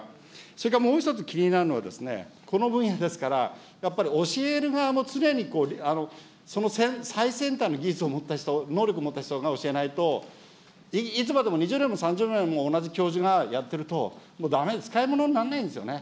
それからもう１つ、気になるのがこの分野ですから、やっぱり教える側も常に、その最先端の技術を持った人、能力を持った人が教えないと、いつまでも、２０年も３０年も同じ教授がやってると、もうだめです、使いものになんないんですよね。